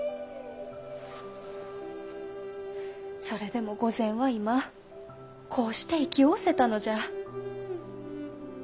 それでも御前は今こうして生きおおせたのじゃ。